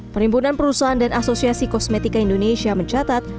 perhimpunan perusahaan dan asosiasi kosmetika indonesia mencatat